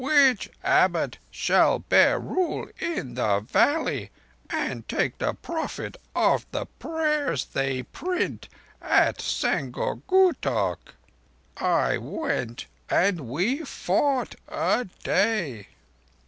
'which Abbot shall bear rule in the valley and take the profit of the prayers they print at Sangor Gutok.' I went, and we fought a day."